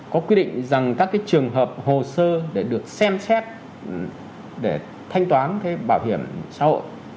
có quy định rằng các cái trường hợp hồ sơ để được xem xét để thanh toán cái bảo hiểm xã hội